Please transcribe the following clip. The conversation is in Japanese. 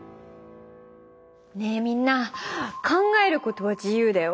ねえみんな考えることは自由だよ！